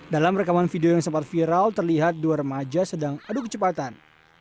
dalam rekaman video yang sempat viral terlihat dua remaja sedang adu kecepatan